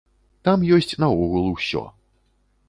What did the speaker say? Там ёсць наогул усё.